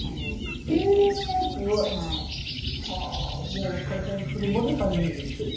えすごい！はあもう解散するまで３人一緒に。